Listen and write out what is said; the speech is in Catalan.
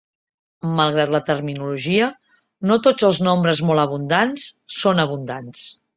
Malgrat la terminologia, no tots els nombres molt abundants són abundants.